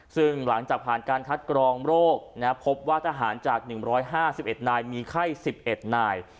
ซึ่งหลังจากผ่านการคัดกรองโรคพบว่าทหารจาก๑๕๑นายมีไข้๑๑นาย